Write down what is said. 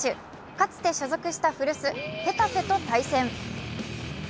かつて所属した古巣・ヘタフェと対戦。